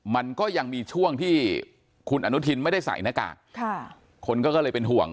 มันก็ยังมีช่วงที่คุณอนุทินไม่ได้ใส่หน้ากากคนก็เลยเป็นห่วง